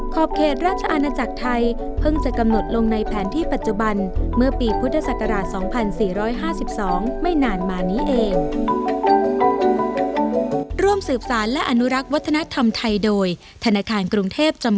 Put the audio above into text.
ขอบเขตราชอาณาจักรไทยเพิ่งจะกำหนดลงในแผนที่ปัจจุบันเมื่อปีพุทธศักราช๒๔๕๒ไม่นานมานี้เอง